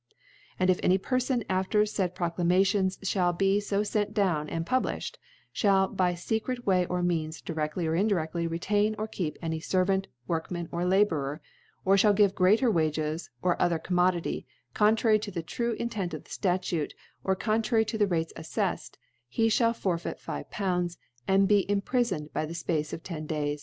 • And if any Perfon, after thefaid Procla mations (hall be fo fent down and publifh ed, (hall, by any fccret Ways or Means, di redtly or indireftly retain or keep any Ser vant, Workman, or Labourer, or fhall give any greater Wages, or other Commo dity, contrary to the true Intent of the Statute, or contrary to the Rates affeffcd, he (hall forfeit 5/. and be imprifoned by the Space of ten Days f.